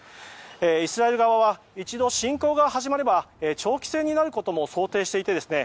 イスラエル側は一度、侵攻が始まれば長期戦になることも想定していてですね